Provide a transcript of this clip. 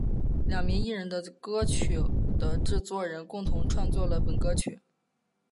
两名艺人和歌曲的制作人共同创作了本歌曲。